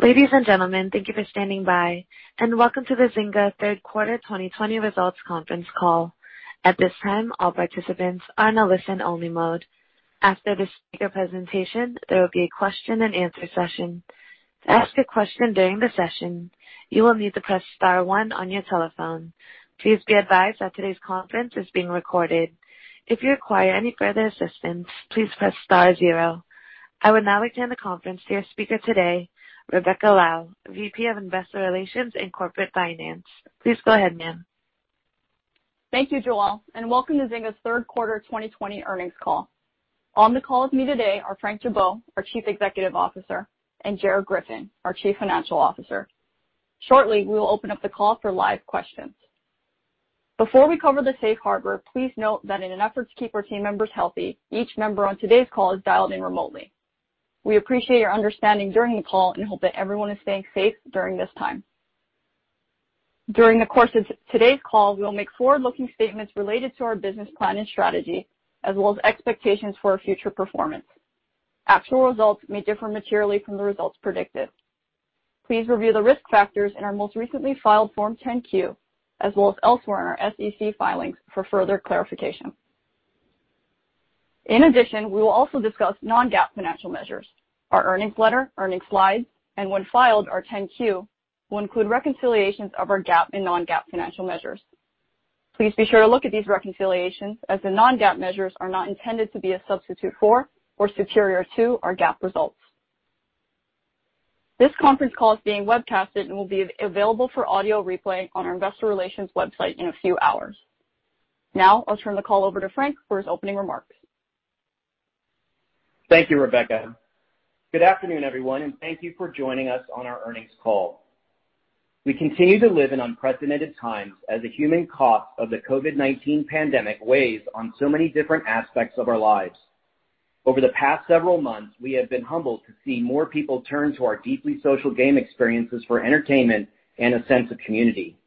Ladies and gentlemen, thank you for standing by and welcome to the Zynga Third Quarter 2020 Results Conference Call. At this time, all participants are in a listen-only mode. After the speaker presentation, there will be a question and answer session. To ask a question during the session, you will need to press star one on your telephone. Please be advised that today's conference is being recorded. If you require any further assistance, please press star zero. I would now like to hand the conference to your speaker today, Rebecca Lau, VP of Investor Relations and Corporate Finance. Please go ahead, ma'am. Thank you, Joelle, and welcome to Zynga's third quarter 2020 earnings call. On the call with me today are Frank Gibeau, our Chief Executive Officer, and Gerard Griffin, our Chief Financial Officer. Shortly, we will open up the call for live questions. Before we cover the safe harbor, please note that in an effort to keep our team members healthy, each member on today's call is dialed in remotely. We appreciate your understanding during the call and hope that everyone is staying safe during this time. During the course of today's call, we will make forward-looking statements related to our business plan and strategy, as well as expectations for our future performance. Actual results may differ materially from the results predicted. Please review the risk factors in our most recently filed Form 10-Q, as well as elsewhere in our SEC filings for further clarification. In addition, we will also discuss non-GAAP financial measures. Our earnings letter, earnings slides, and when filed, our 10-Q, will include reconciliations of our GAAP and non-GAAP financial measures. Please be sure to look at these reconciliations as the non-GAAP measures are not intended to be a substitute for or superior to our GAAP results. This conference call is being webcasted and will be available for audio replay on our investor relations website in a few hours. Now I'll turn the call over to Frank for his opening remarks. Thank you, Rebecca. Good afternoon, everyone, and thank you for joining us on our earnings call. We continue to live in unprecedented times as the human cost of the COVID-19 pandemic weighs on so many different aspects of our lives. Over the past several months, we have been humbled to see more people turn to our deeply social game experiences for entertainment and a sense of community.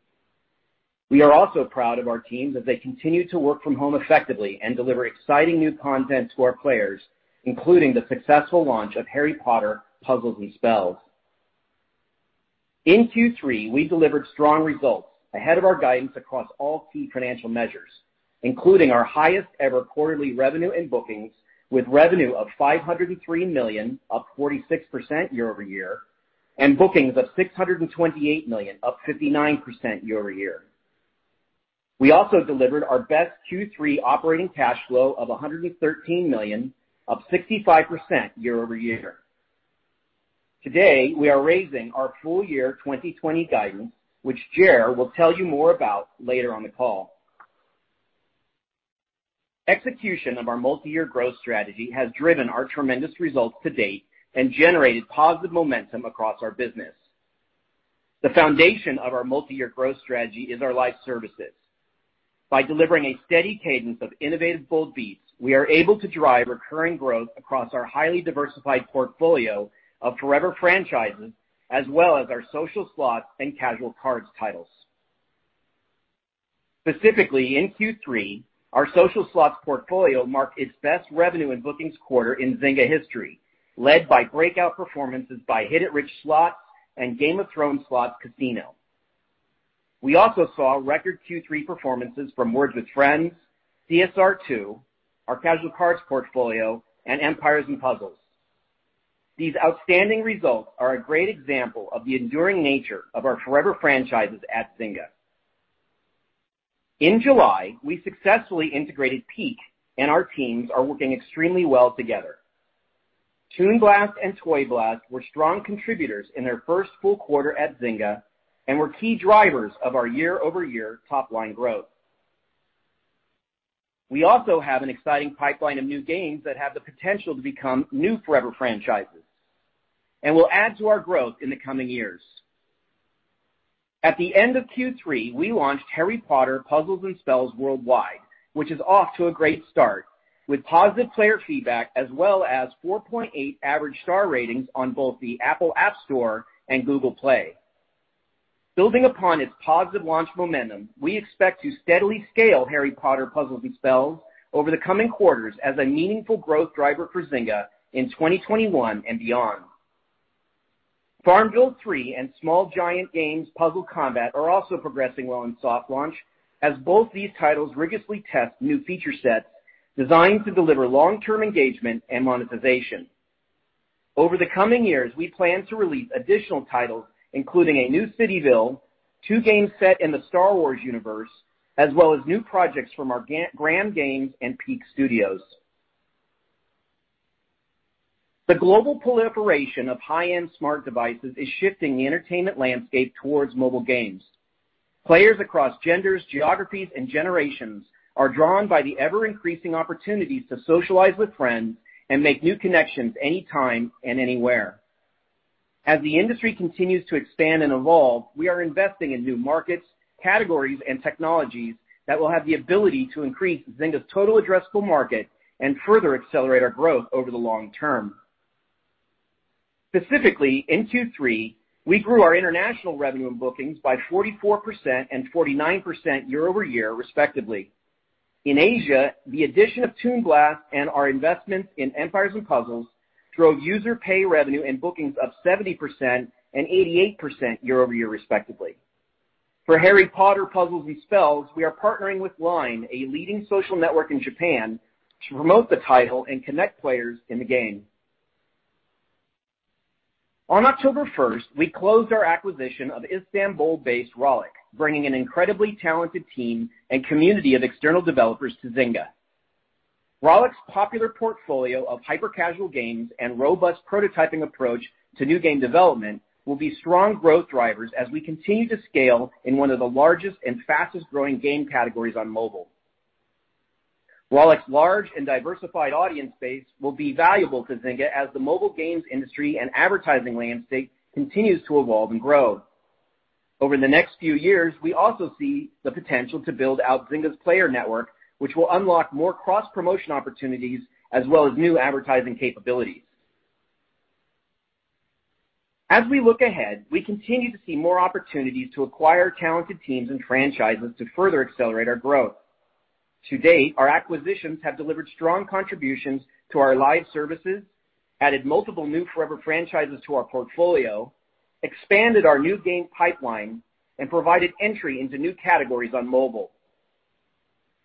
We are also proud of our teams as they continue to work from home effectively and deliver exciting new content to our players, including the successful launch of Harry Potter: Puzzles & Spells. In Q3, we delivered strong results ahead of our guidance across all key financial measures, including our highest-ever quarterly revenue and bookings, with revenue of $503 million, up 46% year-over-year, and bookings of $628 million, up 59% year-over-year. We also delivered our best Q3 operating cash flow of $113 million, up 65% year-over-year. Today, we are raising our full year 2020 guidance, which Ger will tell you more about later on the call. Execution of our multi-year growth strategy has driven our tremendous results to date and generated positive momentum across our business. The foundation of our multi-year growth strategy is our live services. By delivering a steady cadence of innovative bold beats, we are able to drive recurring growth across our highly diversified portfolio of forever franchises, as well as our social slots and casual cards titles. Specifically, in Q3, our social slots portfolio marked its best revenue and bookings quarter in Zynga history, led by breakout performances by Hit It Rich! Slots and Game of Thrones Slots Casino. We also saw record Q3 performances from Words with Friends, CSR2, our casual cards portfolio, and Empires & Puzzles. These outstanding results are a great example of the enduring nature of our forever franchises at Zynga. In July, we successfully integrated Peak and our teams are working extremely well together. Toon Blast and Toy Blast were strong contributors in their first full quarter at Zynga and were key drivers of our year-over-year top line growth. We also have an exciting pipeline of new games that have the potential to become new forever franchises and will add to our growth in the coming years. At the end of Q3, we launched Harry Potter: Puzzles & Spells worldwide, which is off to a great start, with positive player feedback as well as 4.8 average star ratings on both the Apple App Store and Google Play. Building upon its positive launch momentum, we expect to steadily scale Harry Potter: Puzzles & Spells over the coming quarters as a meaningful growth driver for Zynga in 2021 and beyond. FarmVille 3 and Small Giant Games' Puzzle Combat are also progressing well in soft launch as both these titles rigorously test new feature sets designed to deliver long-term engagement and monetization. Over the coming years, we plan to release additional titles, including a new CityVille, two games set in the Star Wars universe, as well as new projects from our Gram Games and Peak Studios. The global proliferation of high-end smart devices is shifting the entertainment landscape towards mobile games. Players across genders, geographies, and generations are drawn by the ever-increasing opportunities to socialize with friends and make new connections anytime and anywhere. As the industry continues to expand and evolve, we are investing in new markets, categories, and technologies that will have the ability to increase Zynga's total addressable market and further accelerate our growth over the long term. Specifically, in Q3, we grew our international revenue and bookings by 44% and 49% year-over-year, respectively. In Asia, the addition of Toon Blast and our investments in Empires & Puzzles drove user pay revenue and bookings up 70% and 88% year-over-year, respectively. For Harry Potter: Puzzles & Spells, we are partnering with LINE, a leading social network in Japan, to promote the title and connect players in the game. On October 1st, we closed our acquisition of Istanbul-based Rollic, bringing an incredibly talented team and community of external developers to Zynga. Rollic's popular portfolio of hyper-casual games and robust prototyping approach to new game development will be strong growth drivers as we continue to scale in one of the largest and fastest-growing game categories on mobile. Rollic's large and diversified audience base will be valuable to Zynga as the mobile games industry and advertising landscape continues to evolve and grow. Over the next few years, we also see the potential to build out Zynga's player network, which will unlock more cross-promotion opportunities as well as new advertising capabilities. As we look ahead, we continue to see more opportunities to acquire talented teams and franchises to further accelerate our growth. To date, our acquisitions have delivered strong contributions to our live services, added multiple new forever franchises to our portfolio, expanded our new game pipeline, and provided entry into new categories on mobile.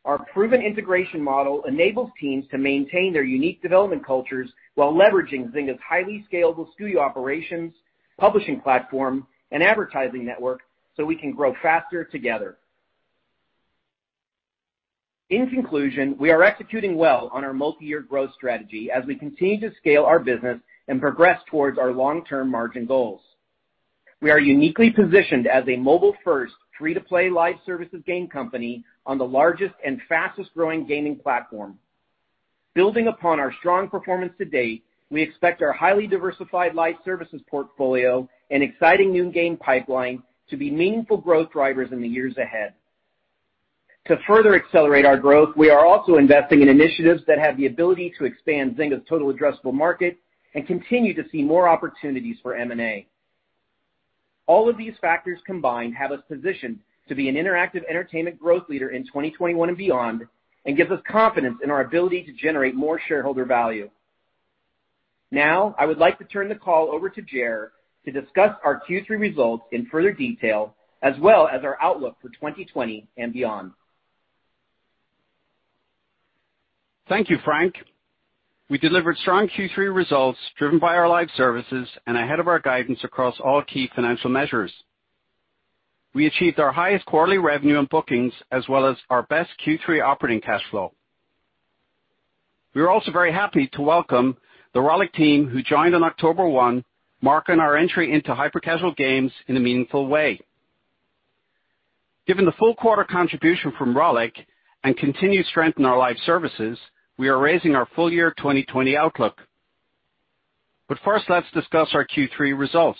Our proven integration model enables teams to maintain their unique development cultures while leveraging Zynga's highly scalable studio operations, publishing platform, and advertising network so we can grow faster together. In conclusion, we are executing well on our multi-year growth strategy as we continue to scale our business and progress towards our long-term margin goals. We are uniquely positioned as a mobile-first, free-to-play live services game company on the largest and fastest-growing gaming platform. Building upon our strong performance to date, we expect our highly diversified live services portfolio and exciting new game pipeline to be meaningful growth drivers in the years ahead. To further accelerate our growth, we are also investing in initiatives that have the ability to expand Zynga's total addressable market and continue to see more opportunities for M&A. All of these factors combined have us positioned to be an interactive entertainment growth leader in 2021 and beyond and gives us confidence in our ability to generate more shareholder value. I would like to turn the call over to Ger to discuss our Q3 results in further detail, as well as our outlook for 2020 and beyond. Thank you, Frank. We delivered strong Q3 results, driven by our live services and ahead of our guidance across all key financial measures. We achieved our highest quarterly revenue and bookings, as well as our best Q3 operating cash flow. We are also very happy to welcome the Rollic team who joined on October 1, marking our entry into hyper-casual games in a meaningful way. Given the full quarter contribution from Rollic and continued strength in our live services, we are raising our full year 2020 outlook. First, let's discuss our Q3 results.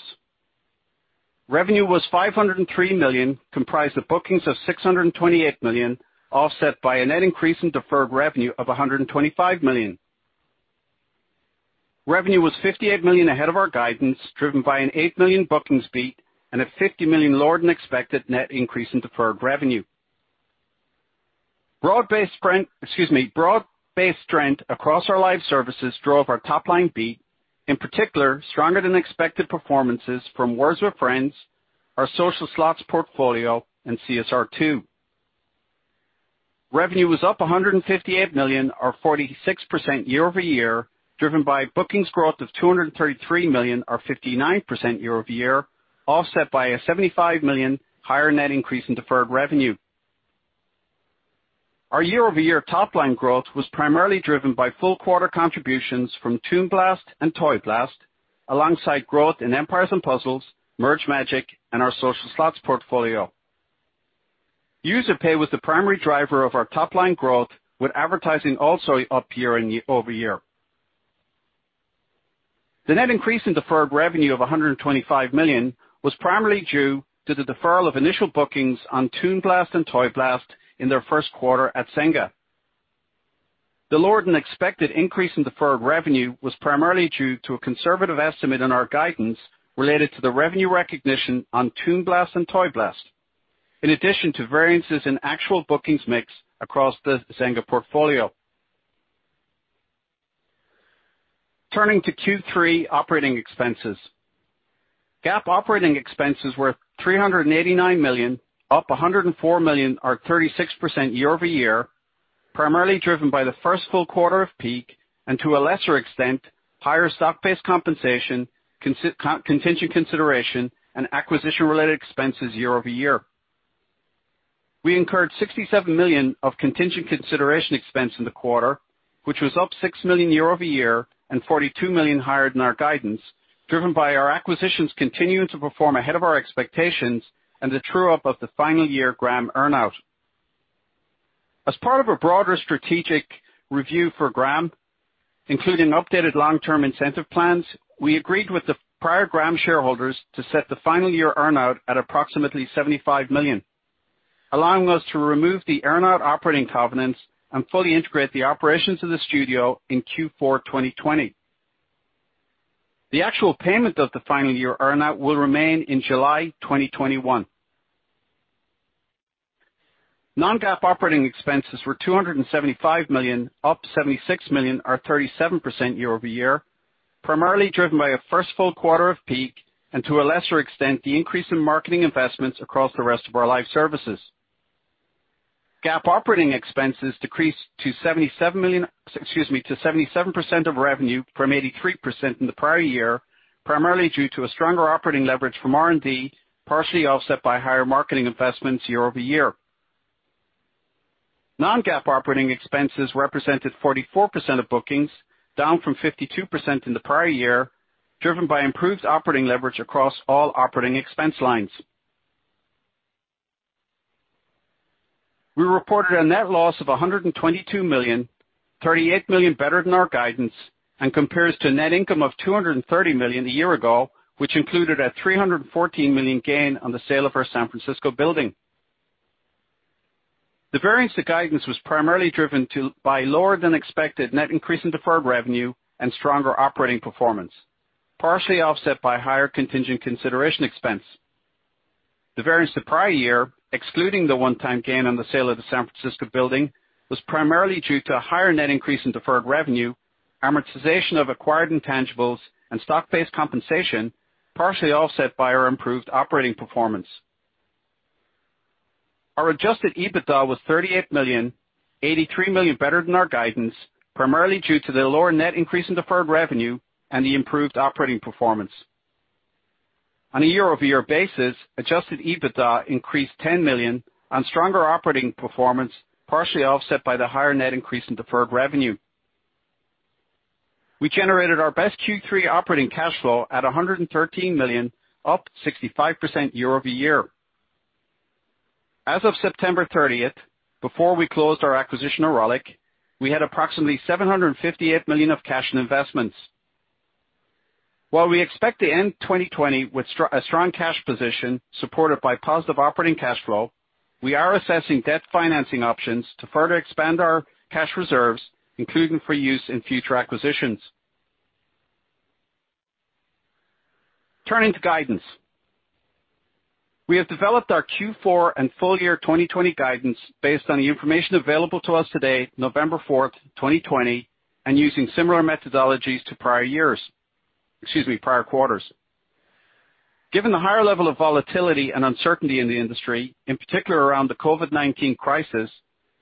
Revenue was $503 million, comprised of bookings of $628 million, offset by a net increase in deferred revenue of $125 million. Revenue was $58 million ahead of our guidance, driven by an $8 million bookings beat and a $50 million lower-than-expected net increase in deferred revenue. Broad-based strength across our live services drove our top-line beat, in particular, stronger-than-expected performances from Words with Friends, our Social Slots portfolio, and CSR2. Revenue was up $158 million, or 46% year-over-year, driven by bookings growth of $233 million, or 59% year-over-year, offset by a $75 million higher net increase in deferred revenue. Our year-over-year top-line growth was primarily driven by full quarter contributions from Toon Blast and Toy Blast, alongside growth in Empires & Puzzles, Merge Magic!, and our Social Slots portfolio. User pay was the primary driver of our top-line growth, with advertising also up year-over-year. The net increase in deferred revenue of $125 million was primarily due to the deferral of initial bookings on Toon Blast and Toy Blast in their first quarter at Zynga. The lower-than-expected increase in deferred revenue was primarily due to a conservative estimate in our guidance related to the revenue recognition on Toon Blast and Toy Blast, in addition to variances in actual bookings mix across the Zynga portfolio. Turning to Q3 operating expenses. GAAP operating expenses were $389 million, up $104 million or 36% year-over-year, primarily driven by the first full quarter of Peak and, to a lesser extent, higher stock-based compensation, contingent consideration, and acquisition-related expenses year-over-year. We incurred $67 million of contingent consideration expense in the quarter, which was up $6 million year-over-year and $42 million higher than our guidance, driven by our acquisitions continuing to perform ahead of our expectations and the true-up of the final year Gram earnout. As part of a broader strategic review for Gram, including updated long-term incentive plans, we agreed with the prior Gram shareholders to set the final year earnout at approximately $75 million, allowing us to remove the earnout operating covenants and fully integrate the operations of the studio in Q4 2020. The actual payment of the final year earn-out will remain in July 2021. Non-GAAP operating expenses were $275 million, up $76 million, or 37% year-over-year, primarily driven by a first full quarter of Peak, and to a lesser extent, the increase in marketing investments across the rest of our live services. GAAP operating expenses decreased to 77% of revenue from 83% in the prior year, primarily due to a stronger operating leverage from R&D, partially offset by higher marketing investments year-over-year. Non-GAAP operating expenses represented 44% of bookings, down from 52% in the prior year, driven by improved operating leverage across all operating expense lines. We reported a net loss of $122 million, $38 million better than our guidance, and compares to net income of $230 million a year ago, which included a $314 million gain on the sale of our San Francisco building. The variance to guidance was primarily driven by lower than expected net increase in deferred revenue and stronger operating performance, partially offset by higher contingent consideration expense. The variance to prior year, excluding the one-time gain on the sale of the San Francisco building, was primarily due to a higher net increase in deferred revenue, amortization of acquired intangibles, and stock-based compensation, partially offset by our improved operating performance. Our adjusted EBITDA was $38 million, $83 million better than our guidance, primarily due to the lower net increase in deferred revenue and the improved operating performance. On a year-over-year basis, adjusted EBITDA increased $10 million on stronger operating performance, partially offset by the higher net increase in deferred revenue. We generated our best Q3 operating cash flow at $113 million, up 65% year-over-year. As of September 30th, before we closed our acquisition of Rollic, we had approximately $758 million of cash and investments. While we expect to end 2020 with a strong cash position supported by positive operating cash flow, we are assessing debt financing options to further expand our cash reserves, including for use in future acquisitions. Turning to guidance. We have developed our Q4 and full year 2020 guidance based on the information available to us today, November 4th, 2020, and using similar methodologies to prior years. Excuse me, prior quarters. Given the higher level of volatility and uncertainty in the industry, in particular around the COVID-19 crisis,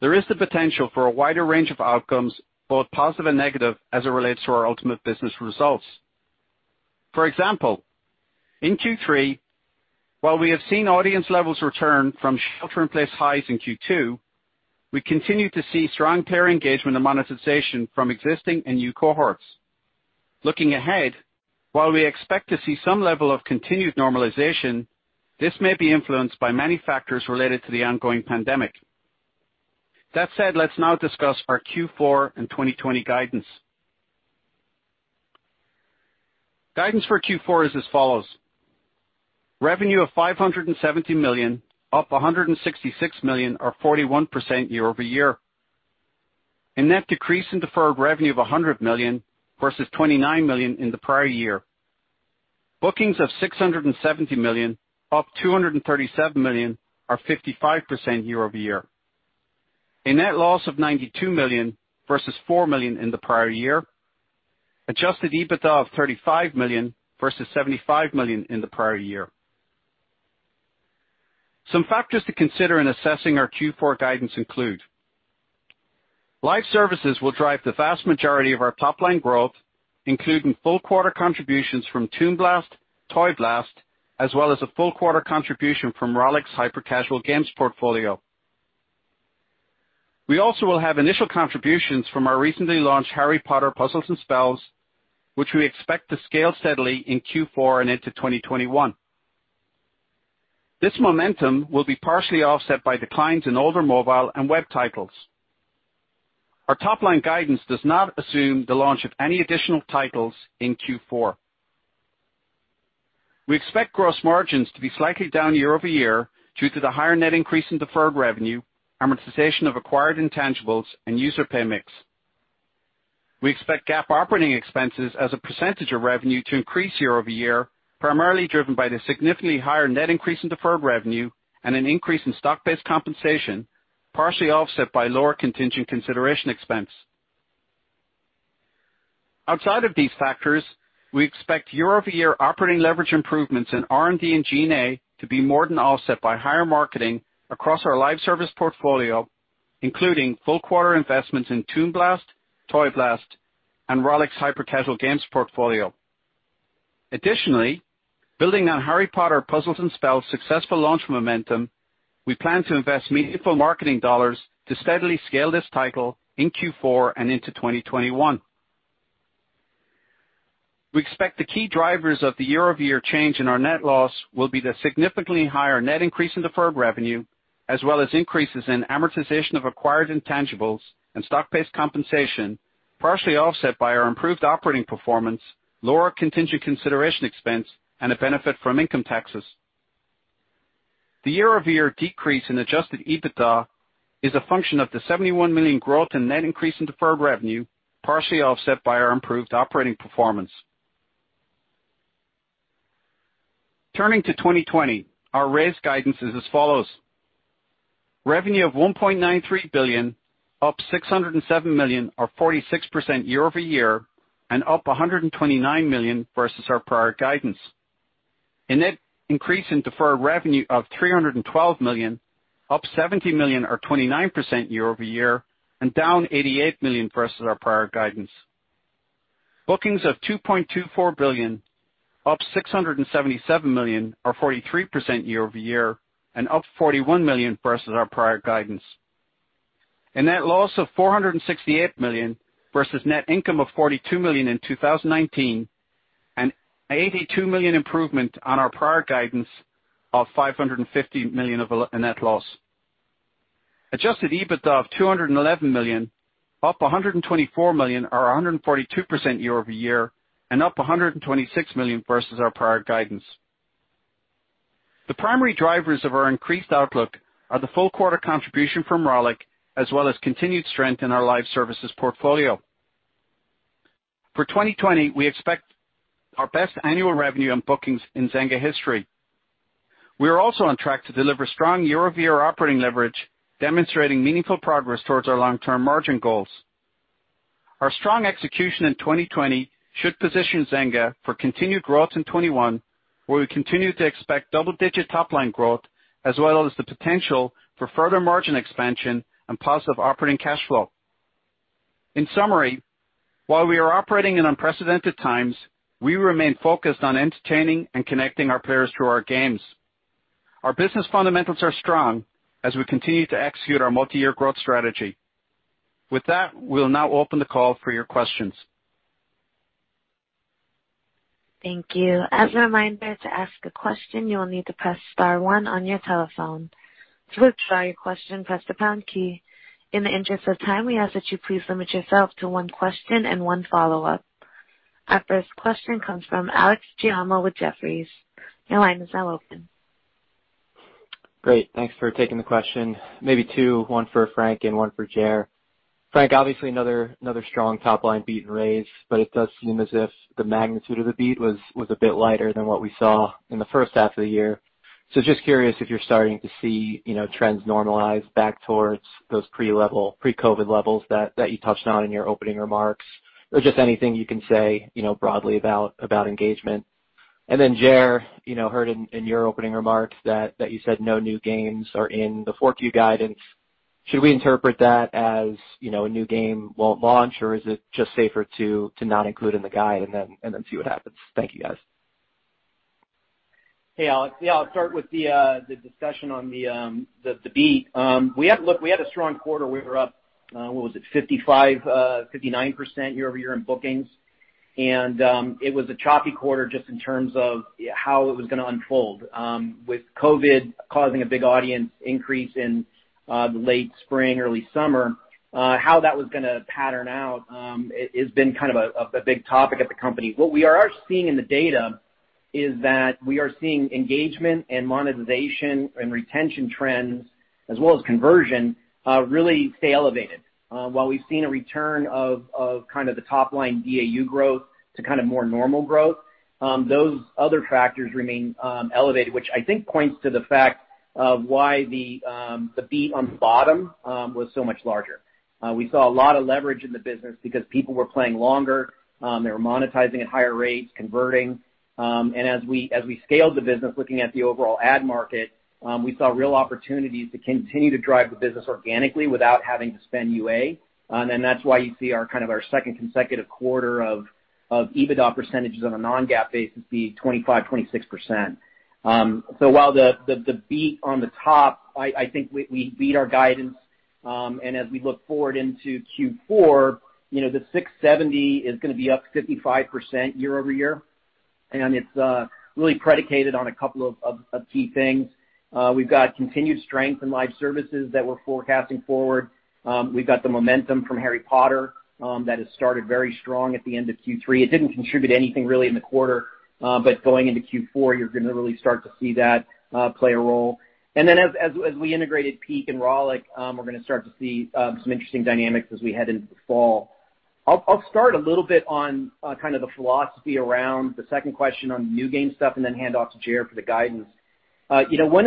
there is the potential for a wider range of outcomes, both positive and negative, as it relates to our ultimate business results. For example, in Q3, while we have seen audience levels return from shelter-in-place highs in Q2, we continue to see strong player engagement and monetization from existing and new cohorts. Looking ahead, while we expect to see some level of continued normalization, this may be influenced by many factors related to the ongoing pandemic. That said, let's now discuss our Q4 and 2020 guidance. Guidance for Q4 is as follows: revenue of $570 million, up $166 million or 41% year-over-year. A net decrease in deferred revenue of $100 million versus $29 million in the prior year. Bookings of $670 million, up $237 million or 55% year-over-year. A net loss of $92 million versus $4 million in the prior year. Adjusted EBITDA of $35 million versus $75 million in the prior year. Some factors to consider in assessing our Q4 guidance include: live services will drive the vast majority of our top-line growth, including full quarter contributions from Toon Blast, Toy Blast, as well as a full quarter contribution from Rollic's hyper-casual games portfolio. We also will have initial contributions from our recently launched Harry Potter: Puzzles & Spells, which we expect to scale steadily in Q4 and into 2021. This momentum will be partially offset by declines in older mobile and web titles. Our top-line guidance does not assume the launch of any additional titles in Q4. We expect gross margins to be slightly down year-over-year due to the higher net increase in deferred revenue, amortization of acquired intangibles, and user pay mix. We expect GAAP operating expenses as a percentage of revenue to increase year-over-year, primarily driven by the significantly higher net increase in deferred revenue and an increase in stock-based compensation, partially offset by lower contingent consideration expense. Outside of these factors, we expect year-over-year operating leverage improvements in R&D and G&A to be more than offset by higher marketing across our live service portfolio, including full quarter investments in Toon Blast, Toy Blast, and Rollic's hyper-casual games portfolio. Building on Harry Potter: Puzzles & Spells' successful launch momentum, we plan to invest meaningful marketing dollars to steadily scale this title in Q4 and into 2021. We expect the key drivers of the year-over-year change in our net loss will be the significantly higher net increase in deferred revenue, as well as increases in amortization of acquired intangibles and stock-based compensation, partially offset by our improved operating performance, lower contingent consideration expense, and a benefit from income taxes. The year-over-year decrease in adjusted EBITDA is a function of the $71 million growth in net increase in deferred revenue, partially offset by our improved operating performance. Turning to 2020, our raised guidance is as follows: revenue of $1.93 billion, up $607 million or 46% year-over-year, and up $129 million versus our prior guidance. A net increase in deferred revenue of $312 million, up $70 million or 29% year-over-year, and down $88 million versus our prior guidance. Bookings of $2.24 billion, up $677 million or 43% year-over-year, and up $41 million versus our prior guidance. A net loss of $468 million versus net income of $42 million in 2019, an $82 million improvement on our prior guidance of $550 million of a net loss. Adjusted EBITDA of $211 million, up $124 million or 142% year-over-year, and up $126 million versus our prior guidance. The primary drivers of our increased outlook are the full quarter contribution from Rollic, as well as continued strength in our live services portfolio. For 2020, we expect our best annual revenue and bookings in Zynga history. We are also on track to deliver strong year-over-year operating leverage, demonstrating meaningful progress towards our long-term margin goals. Our strong execution in 2020 should position Zynga for continued growth in 2021, where we continue to expect double-digit top-line growth, as well as the potential for further margin expansion and positive operating cash flow. In summary, while we are operating in unprecedented times, we remain focused on entertaining and connecting our players through our games. Our business fundamentals are strong as we continue to execute our multi-year growth strategy. With that, we'll now open the call for your questions. Thank you. As a reminder, to ask a question, you will need to press star one on your telephone. To withdraw your question, press the hash key. In the interest of time, we ask that you please limit yourself to one question and one follow-up. Our first question comes from Alex Giaimo with Jefferies. Your line is now open. Great. Thanks for taking the question. Maybe two, one for Frank and one for Ger. Frank, obviously another strong top-line beat and raise, but it does seem as if the magnitude of the beat was a bit lighter than what we saw in the first half of the year. Just curious if you're starting to see trends normalize back towards those pre-COVID levels that you touched on in your opening remarks, or just anything you can say broadly about engagement. Ger, heard in your opening remarks that you said no new games are in the 4Q guidance. Should we interpret that as a new game won't launch, or is it just safer to not include in the guide and then see what happens? Thank you, guys. Hey, Alex. Yeah, I'll start with the discussion on the beat. Look, we had a strong quarter. We were up, what was it? 55%, 59% year-over-year in bookings. It was a choppy quarter just in terms of how it was going to unfold. With COVID causing a big audience increase in the late spring, early summer, how that was going to pattern out has been kind of a big topic at the company. What we are seeing in the data is that we are seeing engagement and monetization and retention trends, as well as conversion, really stay elevated. While we've seen a return of kind of the top line DAU growth to kind of more normal growth, those other factors remain elevated, which I think points to the fact of why the beat on the bottom was so much larger. We saw a lot of leverage in the business because people were playing longer, they were monetizing at higher rates, converting. As we scaled the business, looking at the overall ad market, we saw real opportunities to continue to drive the business organically without having to spend UA. That's why you see our second consecutive quarter of EBITDA percentages on a non-GAAP basis be 25%, 26%. While the beat on the top, I think we beat our guidance, and as we look forward into Q4, the 670 is going to be up 55% year-over-year, and it's really predicated on a couple of key things. We've got continued strength in live services that we're forecasting forward. We've got the momentum from Harry Potter that has started very strong at the end of Q3. It didn't contribute anything really in the quarter, going into Q4, you're going to really start to see that play a role. As we integrated Peak and Rollic, we're going to start to see some interesting dynamics as we head into the fall. I'll start a little bit on kind of the philosophy around the second question on new game stuff and then hand off to Ger for the guidance. One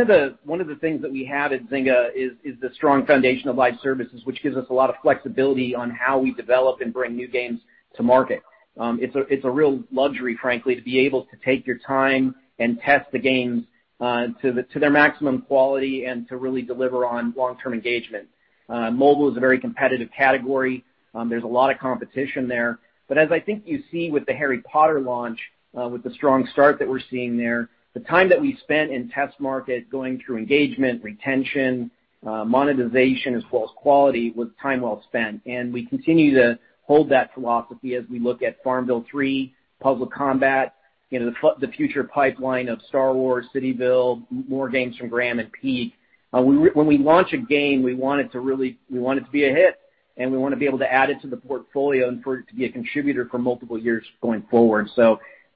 of the things that we have at Zynga is the strong foundation of live services, which gives us a lot of flexibility on how we develop and bring new games to market. It's a real luxury, frankly, to be able to take your time and test the games to their maximum quality and to really deliver on long-term engagement. Mobile is a very competitive category. There's a lot of competition there. As I think you see with the Harry Potter launch, with the strong start that we're seeing there, the time that we spent in test market going through engagement, retention, monetization, as well as quality, was time well spent. We continue to hold that philosophy as we look at FarmVille 3, Puzzle Combat, the future pipeline of Star Wars, CityVille, more games from Gram and Peak. When we launch a game, we want it to be a hit. We want to be able to add it to the portfolio and for it to be a contributor for multiple years going forward.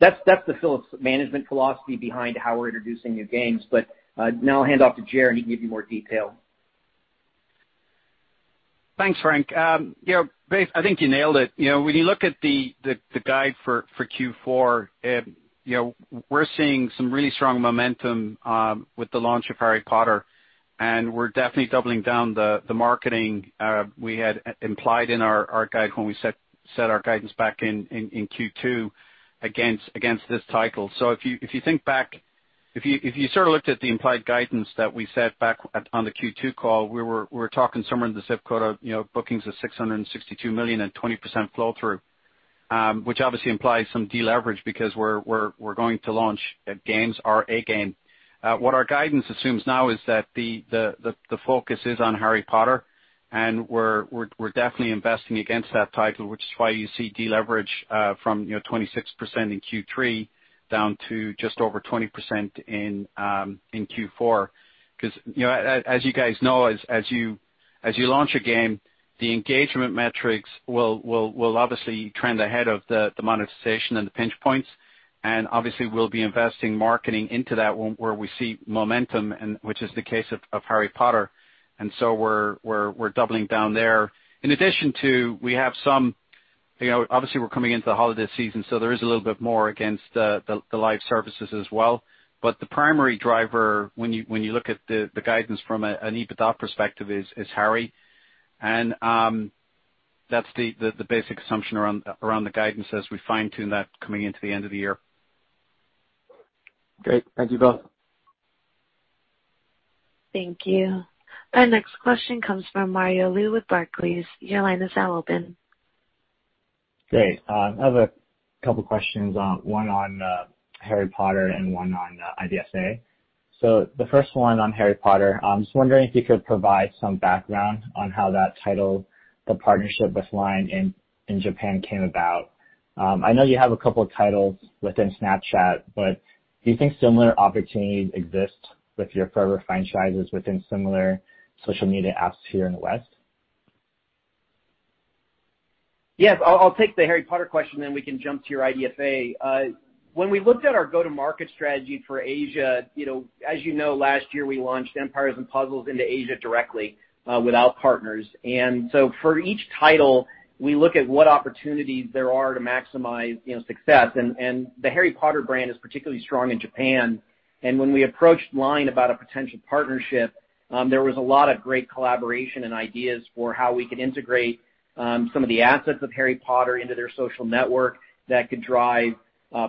That's the portfolio management philosophy behind how we're introducing new games. Now I'll hand off to Ger, and he can give you more detail. Thanks, Frank. I think you nailed it. When you look at the guide for Q4, we're seeing some really strong momentum with the launch of Harry Potter, and we're definitely doubling down the marketing we had implied in our guide when we set our guidance back in Q2 against this title. If you sort of looked at the implied guidance that we set back on the Q2 call, we were talking somewhere in the zip code of bookings of $662 million and 20% flow through, which obviously implies some deleverage because we're going to launch games or a game. What our guidance assumes now is that the focus is on Harry Potter, and we're definitely investing against that title, which is why you see deleverage from 26% in Q3 down to just over 20% in Q4. As you guys know, as you launch a game, the engagement metrics will obviously trend ahead of the monetization and the pinch points, and obviously, we'll be investing marketing into that where we see momentum, which is the case of Harry Potter. We're doubling down there. In addition to, obviously, we're coming into the holiday season, so there is a little bit more against the live services as well. The primary driver, when you look at the guidance from an EBITDA perspective, is Harry. That's the basic assumption around the guidance as we fine-tune that coming into the end of the year. Great. Thank you, both. Thank you. Our next question comes from Mario Lu with Barclays. Your line is now open. Great. I have a couple questions, one on Harry Potter and one on IDFA. The first one on Harry Potter, I'm just wondering if you could provide some background on how that title, the partnership with LINE in Japan came about. I know you have a couple of titles within Snapchat, do you think similar opportunities exist with your forever franchises within similar social media apps here in the West? Yes. I'll take the Harry Potter question, then we can jump to your IDFA. For each title, we look at what opportunities there are to maximize success. The Harry Potter brand is particularly strong in Japan. When we approached LINE about a potential partnership, there was a lot of great collaboration and ideas for how we could integrate some of the assets of Harry Potter into their social network that could drive,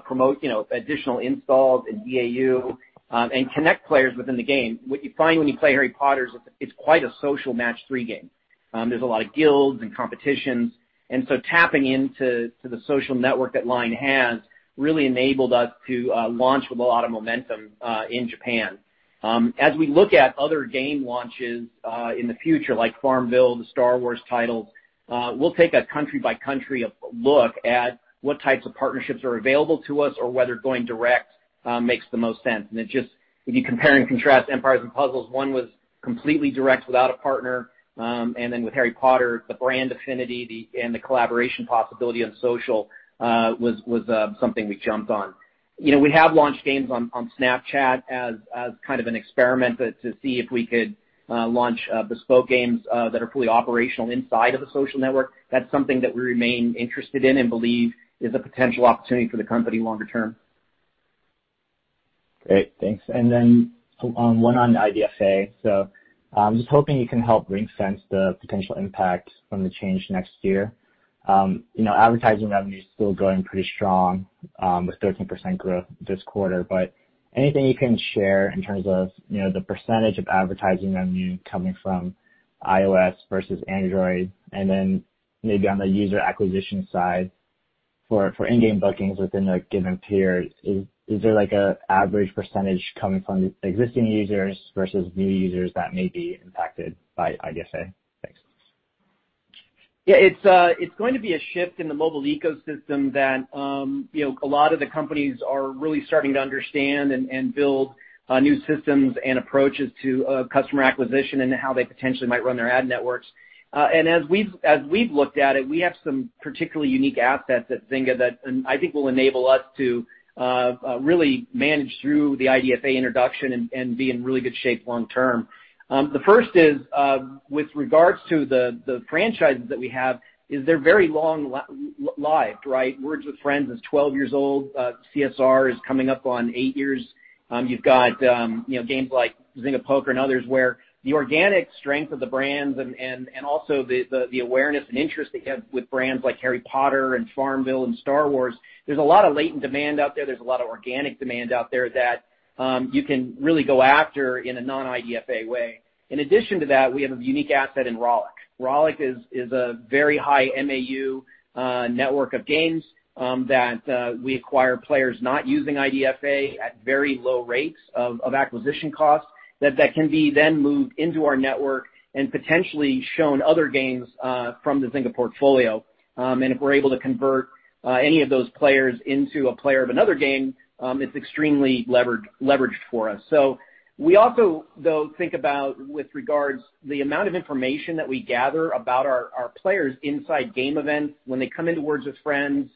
promote additional installs and DAU and connect players within the game. What you find when you play Harry Potter is it's quite a social match-three game. There's a lot of guilds and competitions, and so tapping into the social network that LINE has really enabled us to launch with a lot of momentum in Japan. As we look at other game launches in the future, like FarmVille, the Star Wars titles, we'll take a country-by-country look at what types of partnerships are available to us or whether going direct makes the most sense. If you compare and contrast Empires & Puzzles, one was completely direct without a partner, and then with Harry Potter, the brand affinity and the collaboration possibility on social was something we jumped on. We have launched games on Snapchat as kind of an experiment to see if we could launch bespoke games that are fully operational inside of the social network. That's something that we remain interested in and believe is a potential opportunity for the company longer term. Great. Thanks. Then one on IDFA. Just hoping you can help ring-fence the potential impact from the change next year. Advertising revenue is still growing pretty strong with 13% growth this quarter. Anything you can share in terms of the percentage of advertising revenue coming from iOS versus Android? Then maybe on the user acquisition side for in-game bookings within a given period, is there an average percentage coming from existing users versus new users that may be impacted by IDFA? Thanks. Yeah. It's going to be a shift in the mobile ecosystem that a lot of the companies are really starting to understand and build new systems and approaches to customer acquisition and how they potentially might run their ad networks. As we've looked at it, we have some particularly unique assets at Zynga that I think will enable us to really manage through the IDFA introduction and be in really good shape long term. The first is with regards to the franchises that we have, is they're very long-lived, right? Words with Friends is 12 years old. CSR is coming up on eight years. You've got games like Zynga Poker and others where the organic strength of the brands and also the awareness and interest they have with brands like Harry Potter and FarmVille and Star Wars. There's a lot of latent demand out there. There's a lot of organic demand out there that you can really go after in a non-IDFA way. In addition to that, we have a unique asset in Rollic. Rollic is a very high MAU network of games that we acquire players not using IDFA at very low rates of acquisition costs that can be then moved into our network and potentially shown other games from the Zynga portfolio. If we're able to convert any of those players into a player of another game, it's extremely leveraged for us. We also, though, think about with regards the amount of information that we gather about our players inside game events when they come into Words with Friends,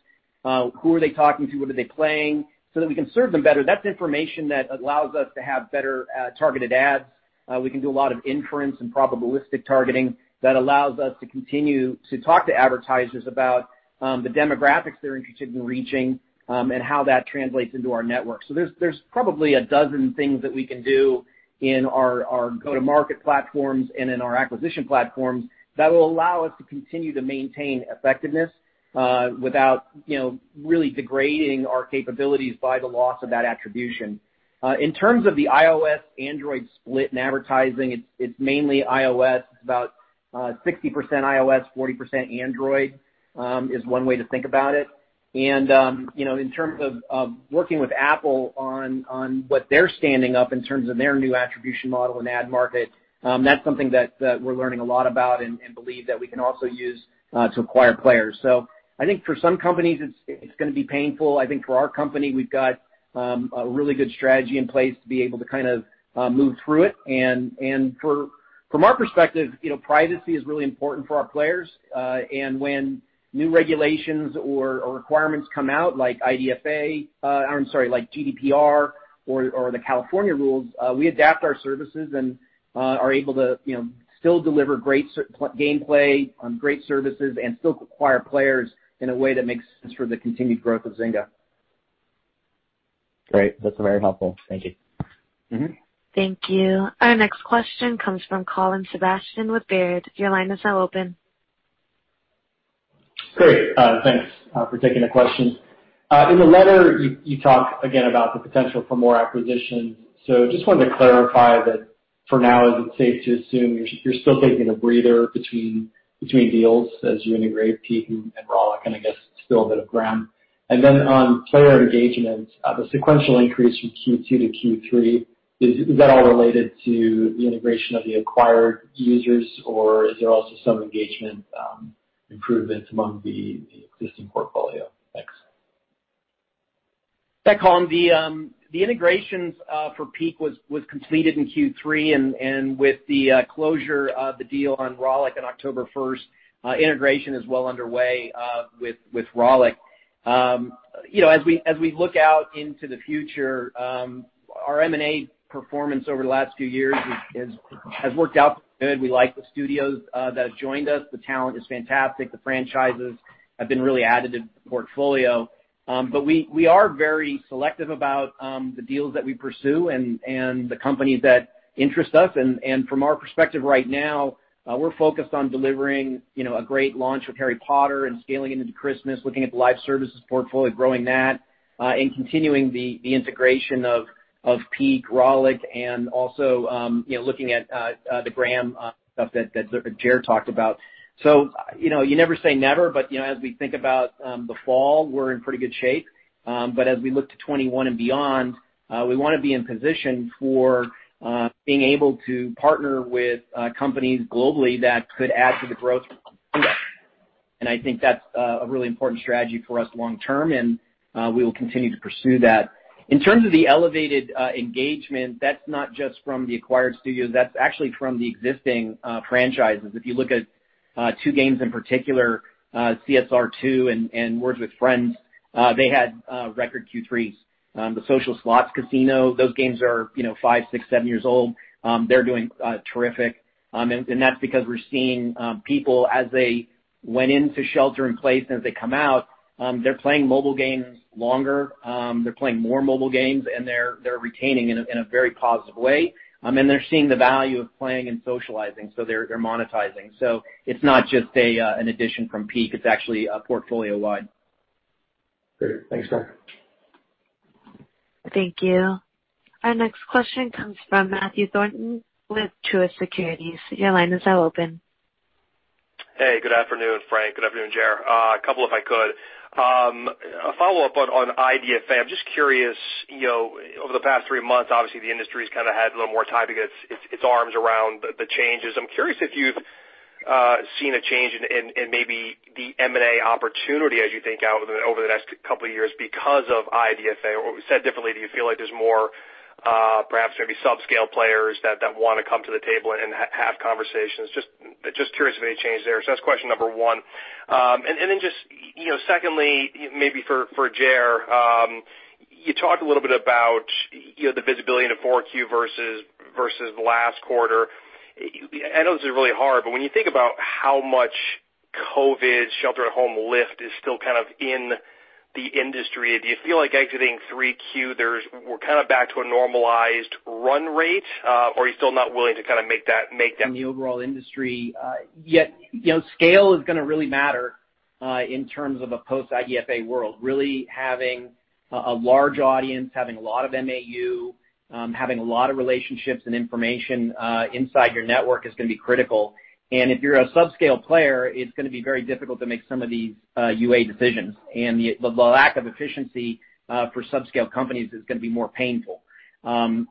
who are they talking to? Who are they playing? That's information that allows us to have better targeted ads. We can do a lot of inference and probabilistic targeting that allows us to continue to talk to advertisers about the demographics they're interested in reaching and how that translates into our network. There's probably a dozen things that we can do in our go-to-market platforms and in our acquisition platforms that will allow us to continue to maintain effectiveness without really degrading our capabilities by the loss of that attribution. In terms of the iOS-Android split in advertising, it's mainly iOS. It's about 60% iOS, 40% Android is one way to think about it. In terms of working with Apple on what they're standing up in terms of their new attribution model and ad market, that's something that we're learning a lot about and believe that we can also use to acquire players. I think for some companies, it's going to be painful. I think for our company, we've got a really good strategy in place to be able to move through it. From our perspective, privacy is really important for our players. When new regulations or requirements come out, like GDPR or the California rules, we adapt our services and are able to still deliver great gameplay, great services, and still acquire players in a way that makes sense for the continued growth of Zynga. Great. That's very helpful. Thank you. Thank you. Our next question comes from Colin Sebastian with Baird. Your line is now open. Great. Thanks for taking the question. In the letter, you talk again about the potential for more acquisitions. Just wanted to clarify that for now, is it safe to assume you're still taking a breather between deals as you integrate Peak and Rollic, and I guess still a bit of Gram? On player engagement, the sequential increase from Q2 to Q3, is that all related to the integration of the acquired users, or is there also some engagement improvements among the existing portfolio? Thanks. Hi, Colin, the integrations for Peak was completed in Q3, with the closure of the deal on Rollic on October 1st, integration is well underway with Rollic. As we look out into the future, our M&A performance over the last few years has worked out good. We like the studios that have joined us. The talent is fantastic. The franchises have been really additive to the portfolio. We are very selective about the deals that we pursue and the companies that interest us. From our perspective right now, we're focused on delivering a great launch with Harry Potter and scaling into Christmas, looking at the live services portfolio, growing that, and continuing the integration of Peak, Rollic, and also looking at the Gram stuff that Ger talked about. You never say never, but as we think about the fall, we're in pretty good shape. As we look to 2021 and beyond, we want to be in position for being able to partner with companies globally that could add to the growth of Zynga. I think that's a really important strategy for us long term, and we will continue to pursue that. In terms of the elevated engagement, that's not just from the acquired studios. That's actually from the existing franchises. If you look at two games in particular, CSR2 and Words with Friends, they had record Q3. The Social Slots Casino, those games are five, six, seven years old. They're doing terrific. That's because we're seeing people as they went into shelter in place, and as they come out, they're playing mobile games longer, they're playing more mobile games, and they're retaining in a very positive way. They're seeing the value of playing and socializing, so they're monetizing. It's not just an addition from Peak, it's actually portfolio-wide. Great. Thanks, Frank. Thank you. Our next question comes from Matthew Thornton with Truist Securities. Your line is now open. Hey, good afternoon, Frank. Good afternoon, Ger. A couple if I could. A follow-up on IDFA. I'm just curious, over the past three months, obviously, the industry's kind of had a little more time to get its arms around the changes. I'm curious if you've seen a change in maybe the M&A opportunity as you think out over the next couple of years because of IDFA. Or said differently, do you feel like there's more perhaps maybe subscale players that want to come to the table and have conversations? Just curious if any change there. That's question number one. Then just secondly, maybe for Ger, you talked a little bit about the visibility into 4Q versus last quarter. I know this is really hard, but when you think about how much COVID shelter-at-home lift is still kind of in the industry, do you feel like exiting 3Q, we're kind of back to a normalized run rate? Or are you still not willing to kind of make that- In the overall industry, scale is going to really matter in terms of a post-IDFA world. Really having a large audience, having a lot of MAU, having a lot of relationships and information inside your network is going to be critical. If you're a subscale player, it's going to be very difficult to make some of these UA decisions. The lack of efficiency for subscale companies is going to be more painful. From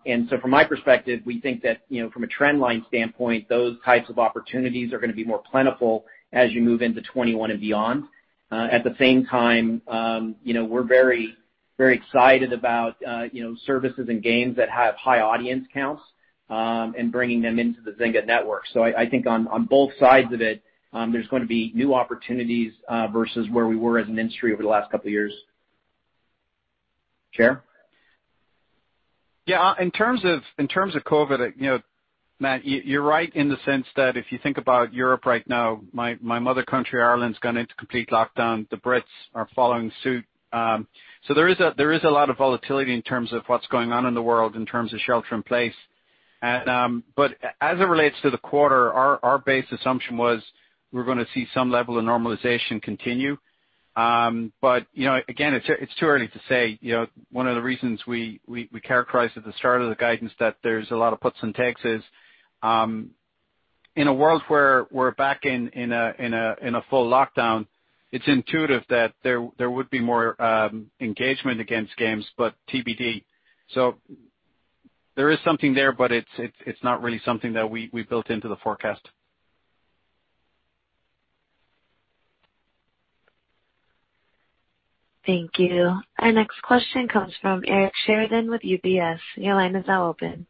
my perspective, we think that from a trend line standpoint, those types of opportunities are going to be more plentiful as you move into 2021 and beyond. At the same time, we're very excited about services and games that have high audience counts and bringing them into the Zynga network. I think on both sides of it, there's going to be new opportunities versus where we were as an industry over the last couple of years. Ger? Yeah. In terms of COVID-19, Matt, you're right in the sense that if you think about Europe right now, my mother country, Ireland, has gone into complete lockdown. The Brits are following suit. There is a lot of volatility in terms of what's going on in the world in terms of shelter in place. As it relates to the quarter, our base assumption was we're going to see some level of normalization continue. Again, it's too early to say. One of the reasons we characterized at the start of the guidance that there's a lot of puts and takes is, in a world where we're back in a full lockdown, it's intuitive that there would be more engagement against games, but TBD. There is something there, but it's not really something that we built into the forecast. Thank you. Our next question comes from Eric Sheridan with UBS. Your line is now open.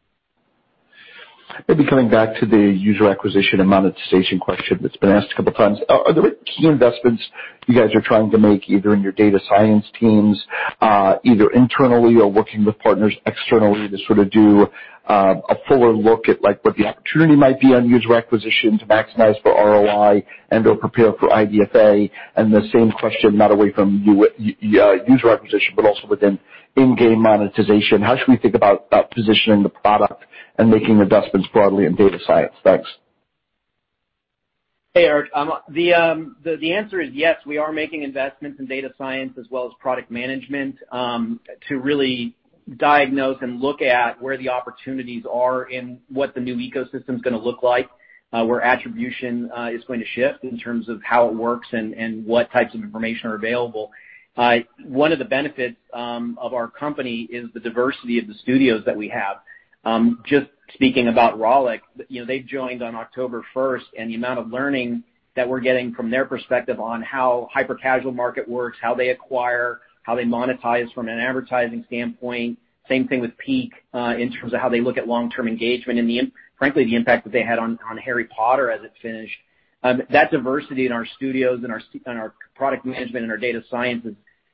Maybe coming back to the user acquisition and monetization question that's been asked a couple times. Are there key investments you guys are trying to make, either in your data science teams, either internally or working with partners externally to sort of do a fuller look at what the opportunity might be on user acquisition to maximize for ROI and/or prepare for IDFA? The same question, not away from user acquisition, but also within in-game monetization. How should we think about positioning the product and making investments broadly in data science? Thanks. Hey, Eric. The answer is yes, we are making investments in data science as well as product management, to really diagnose and look at where the opportunities are and what the new ecosystem's going to look like, where attribution is going to shift in terms of how it works and what types of information are available. One of the benefits of our company is the diversity of the studios that we have. Just speaking about Rollic, they joined on October 1st. The amount of learning that we're getting from their perspective on how hypercasual market works, how they acquire, how they monetize from an advertising standpoint. Same thing with Peak, in terms of how they look at long-term engagement and frankly, the impact that they had on Harry Potter as it finished. That diversity in our studios and our product management and our data science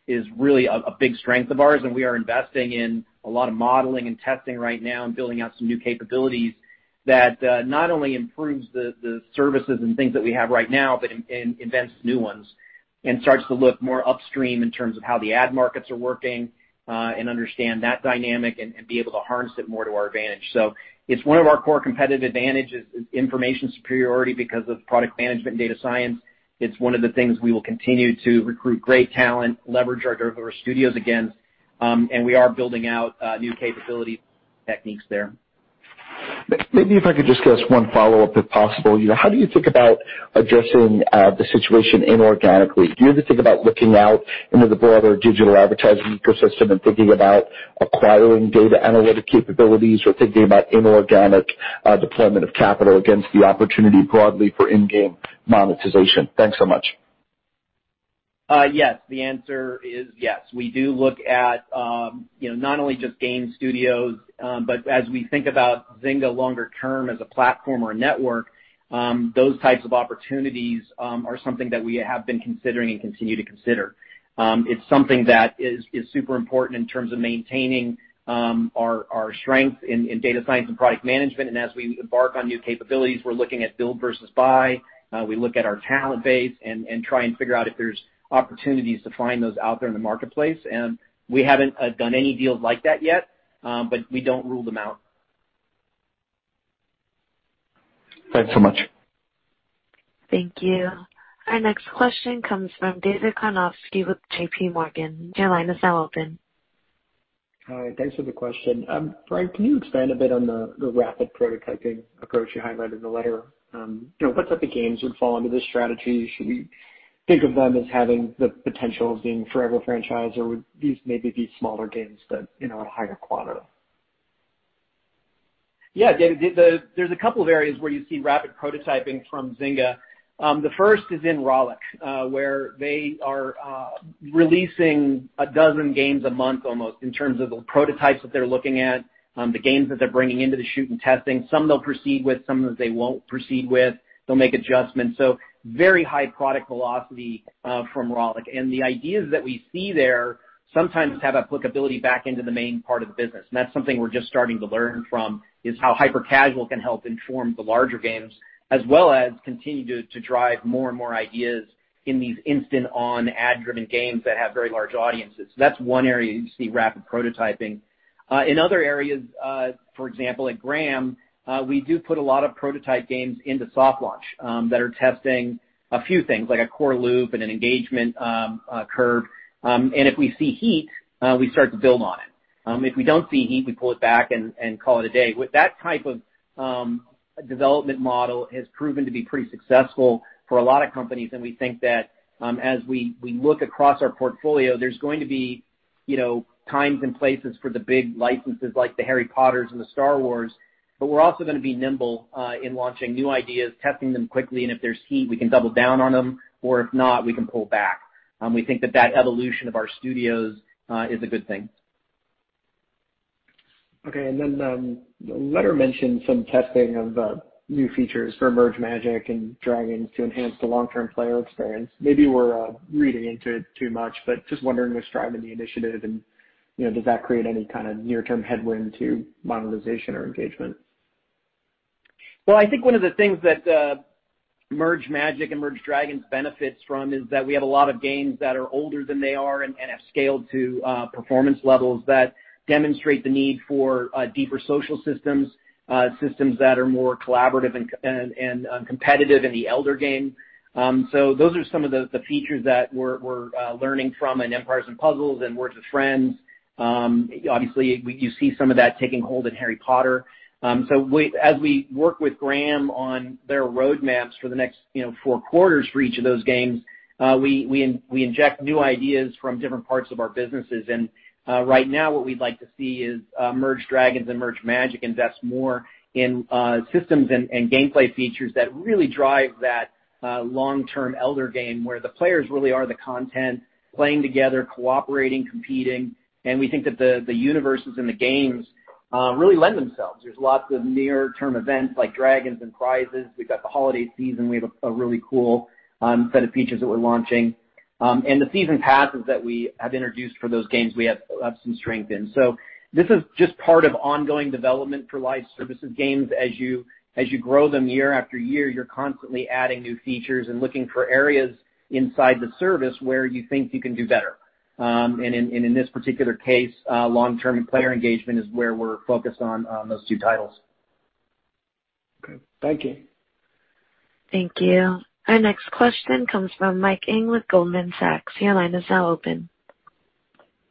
is really a big strength of ours, and we are investing in a lot of modeling and testing right now and building out some new capabilities that not only improves the services and things that we have right now, but invents new ones and starts to look more upstream in terms of how the ad markets are working, and understand that dynamic and be able to harness it more to our advantage. It's one of our core competitive advantages is information superiority because of product management and data science. It's one of the things we will continue to recruit great talent, leverage our studios against, and we are building out new capability techniques there. Maybe if I could just get one follow-up, if possible. How do you think about addressing the situation inorganically? Do you ever think about looking out into the broader digital advertising ecosystem and thinking about acquiring data analytic capabilities or thinking about inorganic deployment of capital against the opportunity broadly for in-game monetization? Thanks so much. Yes. The answer is yes. We do look at not only just game studios, but as we think about Zynga longer term as a platform or a network, those types of opportunities are something that we have been considering and continue to consider. It's something that is super important in terms of maintaining our strength in data science and product management, and as we embark on new capabilities, we're looking at build versus buy. We look at our talent base and try and figure out if there's opportunities to find those out there in the marketplace. We haven't done any deals like that yet, but we don't rule them out. Thanks so much. Thank you. Our next question comes from David Karnovsky with JPMorgan. Your line is now open. Hi. Thanks for the question. Frank, can you expand a bit on the rapid prototyping approach you highlighted in the letter? What type of games would fall under this strategy? Should we think of them as having the potential of being forever franchise, or would these maybe be smaller games, but a higher quantity? Yeah, David, there's a couple of areas where you see rapid prototyping from Zynga. The first is in Rollic, where they are releasing 12 games a month almost in terms of the prototypes that they're looking at, the games that they're bringing into the shoot and testing. Some they'll proceed with, some that they won't proceed with. They'll make adjustments. Very high product velocity from Rollic. The ideas that we see there sometimes have applicability back into the main part of the business. That's something we're just starting to learn from, is how hypercasual can help inform the larger games as well as continue to drive more and more ideas in these instant-on ad-driven games that have very large audiences. That's one area you see rapid prototyping. In other areas, for example, at Gram, we do put a lot of prototype games into soft launch that are testing a few things, like a core loop and an engagement curve. If we see heat, we start to build on it. If we don't see heat, we pull it back and call it a day. With that type of development model has proven to be pretty successful for a lot of companies, and we think that as we look across our portfolio, there's going to be times and places for the big licenses like the Harry Potters and the Star Wars. We're also going to be nimble in launching new ideas, testing them quickly, and if there's heat, we can double down on them, or if not, we can pull back. We think that that evolution of our studios is a good thing. Okay, the letter mentioned some testing of new features for Merge Magic! and Merge Dragons! to enhance the long-term player experience. Maybe we're reading into it too much. Just wondering what's driving the initiative and does that create any kind of near-term headwind to monetization or engagement? Well, I think one of the things that Merge Magic! and Merge Dragons! benefits from is that we have a lot of games that are older than they are and have scaled to performance levels that demonstrate the need for deeper social systems that are more collaborative and competitive in the elder game. Those are some of the features that we're learning from in Empires & Puzzles and Words with Friends. Obviously, you see some of that taking hold in Harry Potter. As we work with Gram on their roadmaps for the next four quarters for each of those games, we inject new ideas from different parts of our businesses. Right now what we'd like to see is Merge Dragons! and Merge Magic! Invest more in systems and gameplay features that really drive that long-term elder game, where the players really are the content, playing together, cooperating, competing. We think that the universes in the games really lend themselves. There's lots of near-term events like dragons and prizes. We've got the holiday season. We have a really cool set of features that we're launching. The season passes that we have introduced for those games, we have some strength in. This is just part of ongoing development for live services games. As you grow them year after year, you're constantly adding new features and looking for areas inside the service where you think you can do better. In this particular case, long-term player engagement is where we're focused on those two titles. Okay. Thank you. Thank you. Our next question comes from Mike Ng with Goldman Sachs. Your line is now open.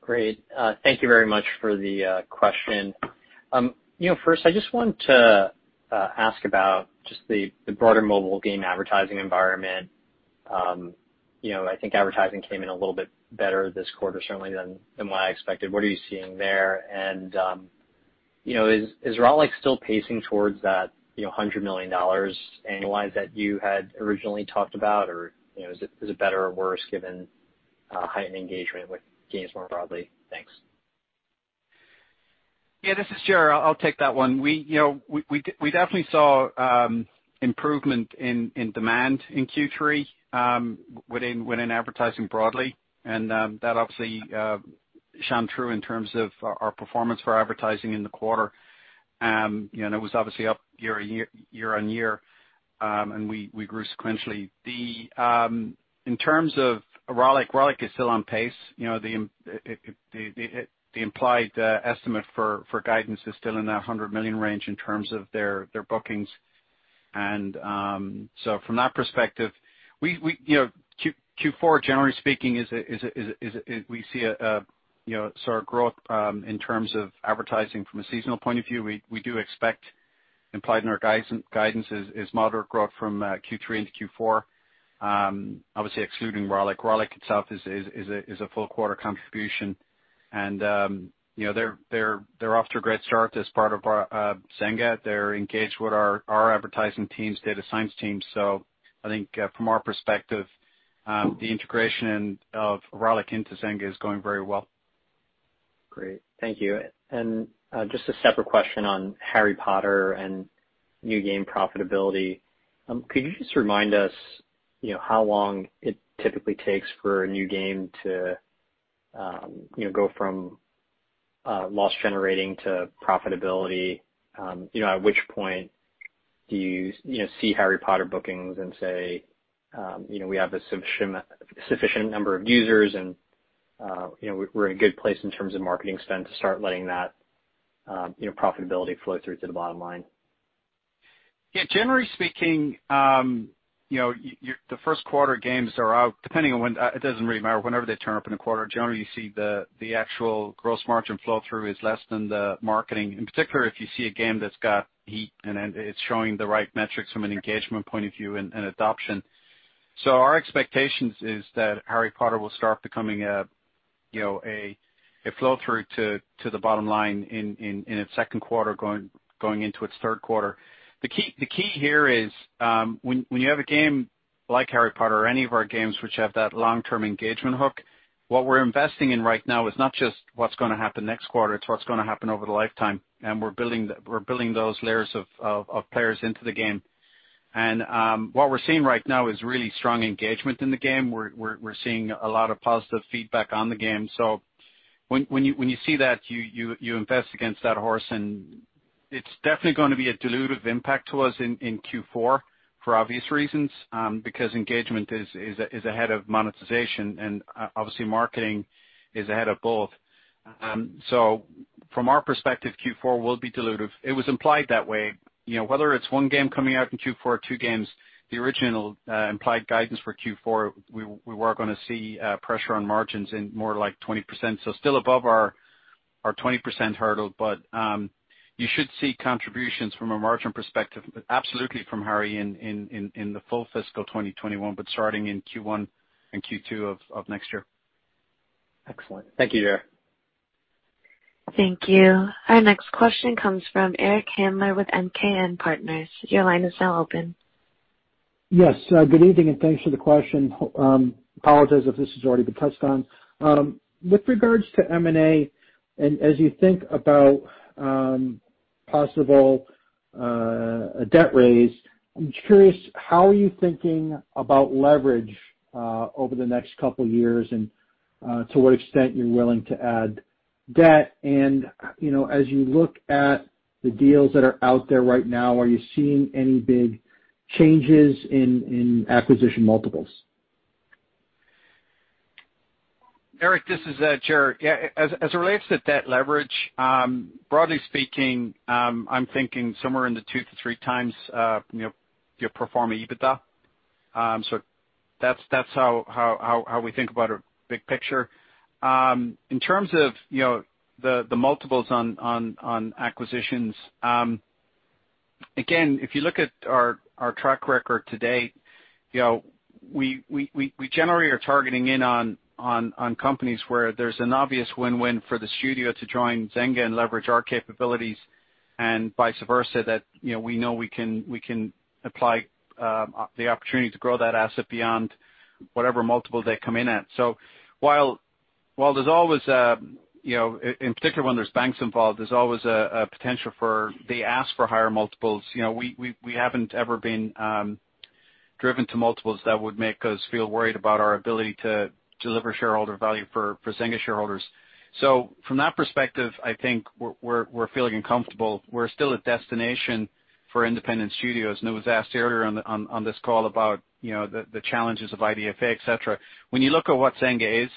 Great. Thank you very much for the question. First, I just wanted to ask about just the broader mobile game advertising environment. I think advertising came in a little bit better this quarter certainly than what I expected. What are you seeing there? Is Rollic still pacing towards that $100 million annualize that you had originally talked about? Or is it better or worse given heightened engagement with games more broadly? Thanks. Yeah, this is Ger. I'll take that one. We definitely saw improvement in demand in Q3 within advertising broadly. That obviously shone true in terms of our performance for advertising in the quarter. It was obviously up year-over-year, and we grew sequentially. In terms of Rollic is still on pace. The implied estimate for guidance is still in that $100 million range in terms of their bookings. From that perspective, Q4, generally speaking, we see a sort of growth in terms of advertising from a seasonal point of view. We do expect, implied in our guidance, is moderate growth from Q3 into Q4. Obviously excluding Rollic. Rollic itself is a full quarter contribution. They're off to a great start as part of Zynga. They're engaged with our advertising teams, data science teams. I think from our perspective, the integration of Rollic into Zynga is going very well. Great. Thank you. Just a separate question on Harry Potter and new game profitability. Could you just remind us how long it typically takes for a new game to go from loss generating to profitability? At which point do you see Harry Potter bookings and say we have a sufficient number of users, and we're in a good place in terms of marketing spend to start letting that profitability flow through to the bottom line? Yeah. Generally speaking, the first quarter games are out, depending on when, it doesn't really matter, whenever they turn up in a quarter, generally, you see the actual gross margin flow through is less than the marketing. In particular, if you see a game that's got heat and it's showing the right metrics from an engagement point of view and adoption. Our expectations is that Harry Potter will start becoming a flow through to the bottom line in its second quarter going into its third quarter. The key here is, when you have a game like Harry Potter or any of our games which have that long-term engagement hook, what we're investing in right now is not just what's going to happen next quarter, it's what's going to happen over the lifetime. We're building those layers of players into the game. What we're seeing right now is really strong engagement in the game. We're seeing a lot of positive feedback on the game. When you see that, you invest against that horse, and it's definitely going to be a dilutive impact to us in Q4 for obvious reasons, because engagement is ahead of monetization, and obviously marketing is ahead of both. From our perspective, Q4 will be dilutive. It was implied that way. Whether it's one game coming out in Q4 or two games, the original implied guidance for Q4, we were going to see pressure on margins in more like 20%. Still above our 20% hurdle, but you should see contributions from a margin perspective, absolutely from Harry in the full fiscal 2021, but starting in Q1 and Q2 of next year. Excellent. Thank you, Ger. Thank you. Our next question comes from Eric Handler with MKM Partners. Your line is now open. Yes. Good evening, and thanks for the question. I apologize if this has already been touched on. With regards to M&A, and as you think about possible debt raise, I'm curious, how are you thinking about leverage over the next couple years and to what extent you're willing to add debt, and as you look at the deals that are out there right now, are you seeing any big changes in acquisition multiples? Eric, this is Ger. As it relates to debt leverage, broadly speaking, I'm thinking somewhere in the two to three times your pro forma EBITDA. That's how we think about it, big picture. In terms of the multiples on acquisitions, again, if you look at our track record to date, we generally are targeting in on companies where there's an obvious win-win for the studio to join Zynga and leverage our capabilities and vice versa, that we know we can apply the opportunity to grow that asset beyond whatever multiple they come in at. While there's always, in particular when there's banks involved, there's always a potential for they ask for higher multiples. We haven't ever been driven to multiples that would make us feel worried about our ability to deliver shareholder value for Zynga shareholders. From that perspective, I think we're feeling uncomfortable. We're still a destination for independent studios, and it was asked earlier on this call about the challenges of IDFA, et cetera. When you look at what Zynga is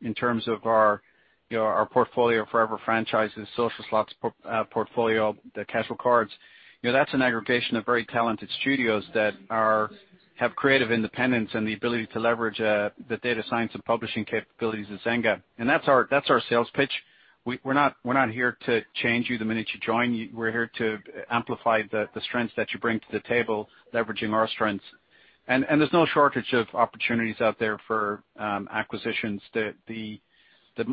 in terms of our portfolio of forever franchises, Social Slots portfolio, the casual cards, that's an aggregation of very talented studios that have creative independence and the ability to leverage the data science and publishing capabilities of Zynga. That's our sales pitch. We're not here to change you the minute you join. We're here to amplify the strengths that you bring to the table, leveraging our strengths. There's no shortage of opportunities out there for acquisitions. The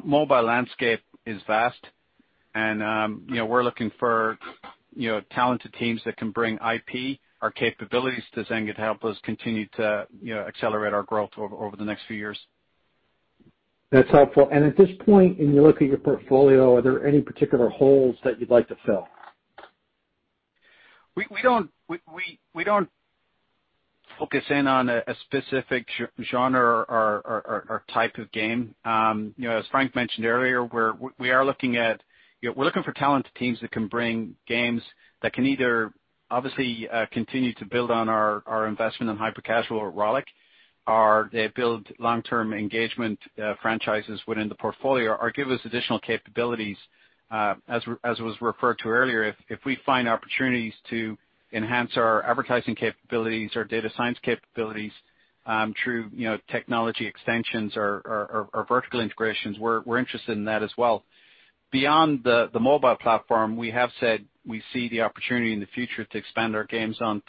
mobile landscape is vast, and we're looking for talented teams that can bring IP, our capabilities to Zynga to help us continue to accelerate our growth over the next few years. That's helpful. At this point, when you look at your portfolio, are there any particular holes that you'd like to fill? We don't focus in on a specific genre or type of game. As Frank mentioned earlier, we're looking for talented teams that can bring games that can either obviously continue to build on our investment in hyper-casual or Rollic, or they build long-term engagement franchises within the portfolio or give us additional capabilities. As was referred to earlier, if we find opportunities to enhance our advertising capabilities, our data science capabilities through technology extensions or vertical integrations, we're interested in that as well. Beyond the mobile platform, we have said we see the opportunity in the future to expand our games from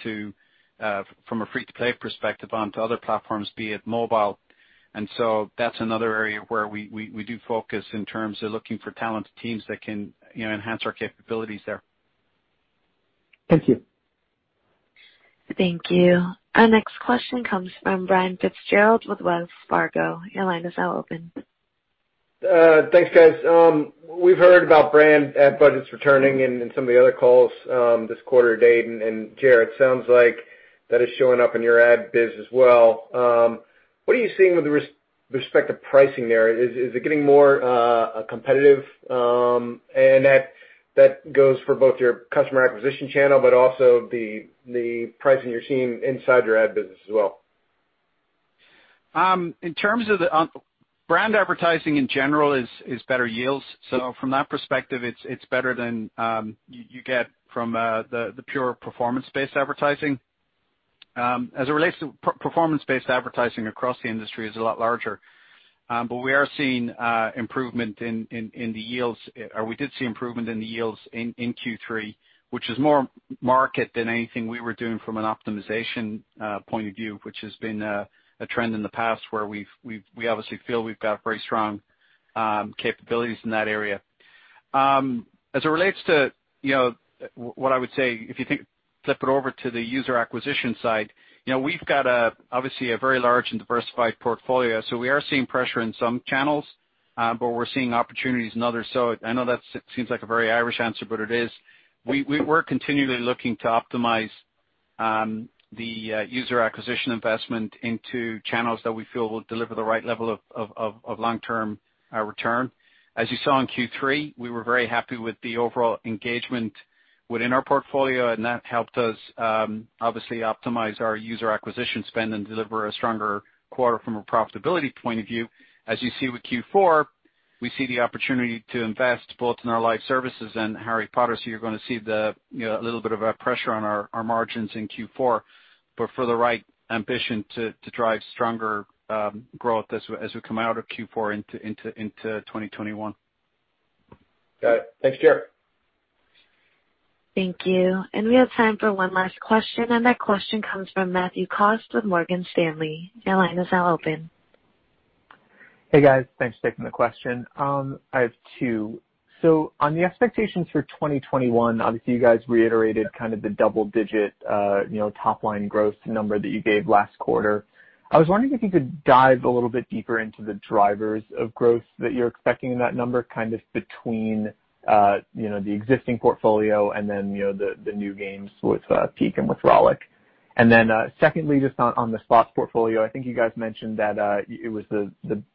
a free-to-play perspective onto other platforms, be it mobile. That's another area where we do focus in terms of looking for talented teams that can enhance our capabilities there. Thank you. Thank you. Our next question comes from Brian Fitzgerald with Wells Fargo. Your line is now open. Thanks, guys. We've heard about brand ad budgets returning in some of the other calls this quarter to date, Ger, it sounds like that is showing up in your ad biz as well. What are you seeing with respect to pricing there? Is it getting more competitive? That goes for both your customer acquisition channel, but also the pricing you're seeing inside your ad business as well. Brand advertising, in general, is better yields. From that perspective, it's better than you get from the pure performance-based advertising. As it relates to performance-based advertising across the industry, is a lot larger. We are seeing improvement in the yields, or we did see improvement in the yields in Q3, which is more market than anything we were doing from an optimization point of view, which has been a trend in the past where we obviously feel we've got very strong capabilities in that area. As it relates to what I would say, if you flip it over to the user acquisition side, we've got obviously a very large and diversified portfolio. We are seeing pressure in some channels, but we're seeing opportunities in others. I know that seems like a very Irish answer, but it is. We're continually looking to optimize the user acquisition investment into channels that we feel will deliver the right level of long-term return. As you saw in Q3, we were very happy with the overall engagement within our portfolio, and that helped us obviously optimize our user acquisition spend and deliver a stronger quarter from a profitability point of view. As you see with Q4, we see the opportunity to invest both in our live services and Harry Potter. So you're going to see a little bit of a pressure on our margins in Q4, but for the right ambition to drive stronger growth as we come out of Q4 into 2021. Got it. Thanks, Ger. Thank you. We have time for one last question, and that question comes from Matthew C Stone with Morgan Stanley. Your line is now open. Hey, guys, thanks for taking the question. I have two. On the expectations for 2021, obviously you guys reiterated kind of the double-digit top-line growth number that you gave last quarter. I was wondering if you could dive a little bit deeper into the drivers of growth that you're expecting in that number, kind of between the existing portfolio and then the new games with Peak and with Rollic. Secondly, just on the slots portfolio, I think you guys mentioned that it was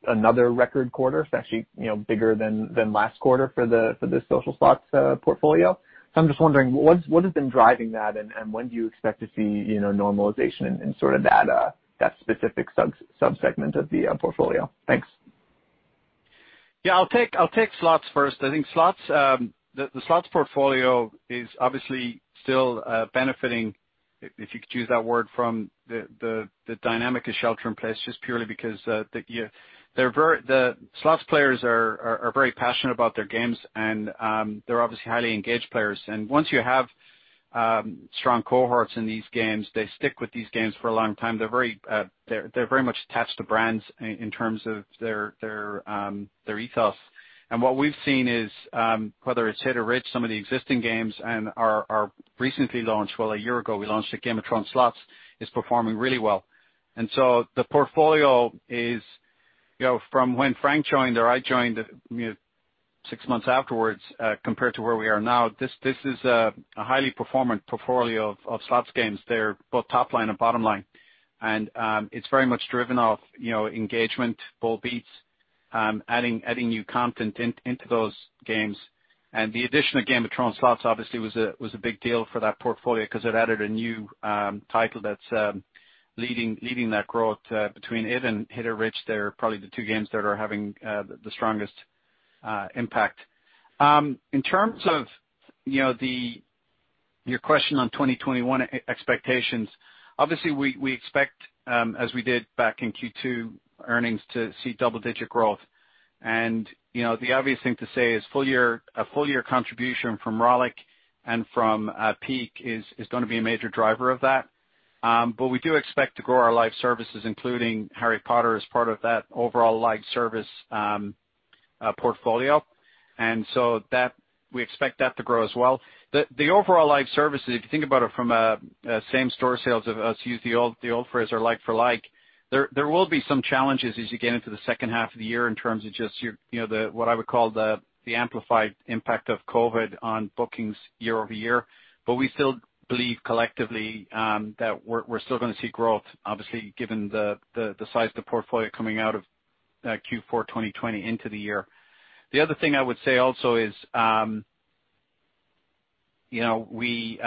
another record quarter, it's actually bigger than last quarter for the Social Slots portfolio. I'm just wondering, what has been driving that and when do you expect to see normalization in that specific sub-segment of the portfolio? Thanks. Yeah, I'll take slots first. I think the slots portfolio is obviously still benefiting, if you could use that word, from the dynamic of shelter in place, just purely because the slots players are very passionate about their games and they're obviously highly engaged players. Once you have strong cohorts in these games, they stick with these games for a long time. They're very much attached to brands in terms of their ethos. What we've seen is, whether it's Hit It Rich!, some of the existing games and our recently launched, well, a year ago, we launched a Game of Thrones Slots, is performing really well. The portfolio is, from when Frank joined or I joined six months afterwards, compared to where we are now, this is a highly performant portfolio of slots games. They're both top line and bottom line. It's very much driven off engagement, bold beats, adding new content into those games. The additional Game of Thrones Slots obviously was a big deal for that portfolio because it added a new title that's leading that growth between it and Hit It Rich!. They're probably the two games that are having the strongest impact. In terms of your question on 2021 expectations, obviously we expect, as we did back in Q2 earnings, to see double-digit growth. The obvious thing to say is a full year contribution from Rollic and from Peak is going to be a major driver of that. We do expect to grow our live services, including Harry Potter, as part of that overall live service portfolio. We expect that to grow as well. The overall live services, if you think about it from a same store sales of, let's use the old phrase or like for like, there will be some challenges as you get into the second half of the year in terms of just what I would call the amplified impact of COVID on bookings year-over-year. We still believe collectively that we're still going to see growth, obviously, given the size of the portfolio coming out of Q4 2020 into the year. The other thing I would say also is we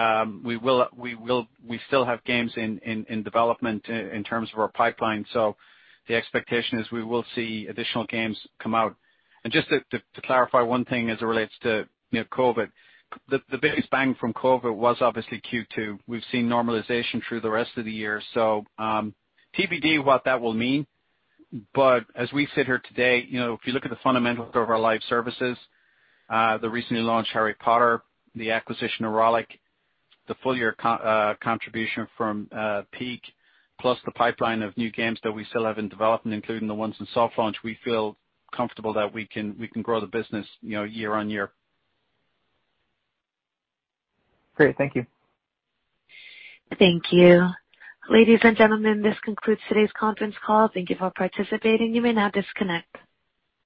still have games in development in terms of our pipeline, the expectation is we will see additional games come out. Just to clarify one thing as it relates to COVID, the biggest bang from COVID was obviously Q2. We've seen normalization through the rest of the year. TBD what that will mean, but as we sit here today, if you look at the fundamentals of our live services, the recently launched Harry Potter, the acquisition of Rollic, the full year contribution from Peak, plus the pipeline of new games that we still have in development, including the ones in soft launch, we feel comfortable that we can grow the business year-on-year. Great. Thank you. Thank you. Ladies and gentlemen, this concludes today's conference call. Thank you for participating. You may now disconnect.